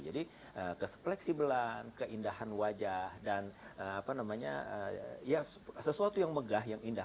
jadi kesepleksibelan keindahan wajah dan sesuatu yang megah yang indah